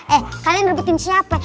eh kalian rebutin siapa